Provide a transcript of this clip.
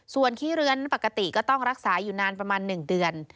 ส่วนขี้เลื้อนปกติก็ต้องรักษาอยู่นานประมาณ๑เดือน